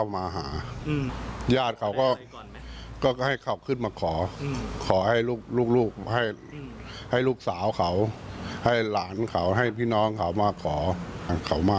ผิดปกติแล้วครับค่ะครับครับ